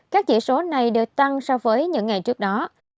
các chỉ số này đều tăng so với những ngày trước đó